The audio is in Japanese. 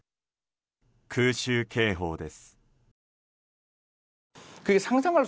空襲警報です。